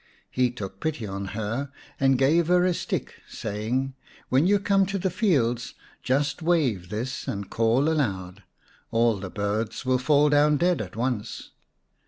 He took pity on her, and gave her a stick, saying, " When you come to the fields just wave this, and call aloud. All the birds will fall down dead at once.